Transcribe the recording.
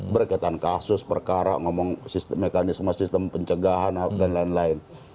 berkaitan kasus perkara ngomong mekanisme sistem pencegahan dan lain lain